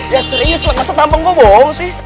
ya serius lah masa tampang gue bohong sih